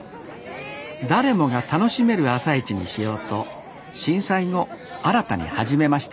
誰もが楽しめる朝市にしようと震災後新たに始めました